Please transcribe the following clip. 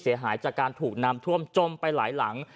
เสียหายจากการถูกน้ำท่วมจมไปหลายหลัง